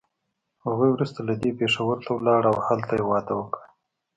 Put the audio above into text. هغه وروسته له دې پېښور ته لاړه او هلته يې واده وکړ.